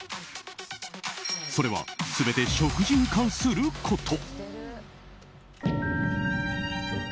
それは全て食事に関すること。